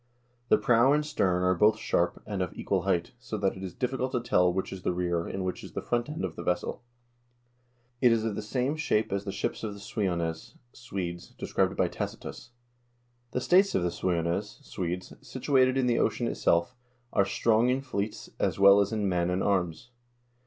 The prow and stern are both sharp and of equal height, so that it is difficult to tell which is the rear, and which is the front end of the vessel. It is of the same shape as the ships of the Suiones (Swedes) described by Tacitus. "The states of the Suiones (Swedes), situated in the ocean itself, are strong in fleets as well as in men and arms.